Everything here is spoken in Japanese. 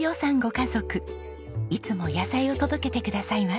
いつも野菜を届けてくださいます。